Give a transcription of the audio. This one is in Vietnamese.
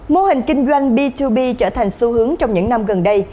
mô hình kinh doanh b hai b trở thành xu hướng trong những năm gần đây